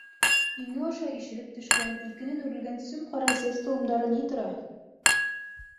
Иңе аша ишелеп төшкән, икенән үрелгән сөм ҡара сәс толомдары ни тора!